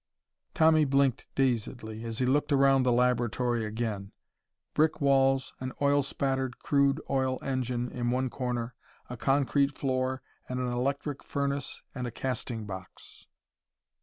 Tommy blinked dazedly as he looked around the laboratory again. Brick walls, an oil spattered crude oil engine in one corner, a concrete floor and an electric furnace and a casting box....